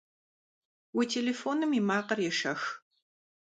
Уи телефоным и макъыр ешэх!